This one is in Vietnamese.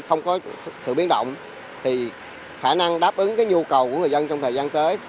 không có sự biến động thì khả năng đáp ứng cái nhu cầu của người dân trong thời gian tới